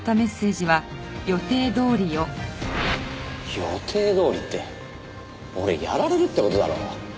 「予定通り」って俺やられるって事だろ？